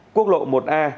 quốc lộ một a